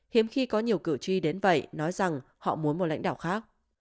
hiếm khi có nhiều cử tri đến vậy nói rằng họ muốn một lãnh đạo khác